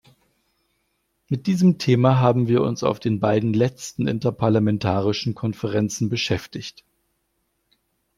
Mit diesem Thema haben wir uns auf den beiden letzten interparlamentarischen Konferenzen beschäftigt.